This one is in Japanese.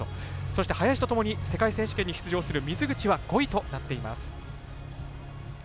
そして、林とともに世界選手権に出場する水口は５位となっています。